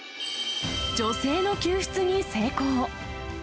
女性の救出に成功。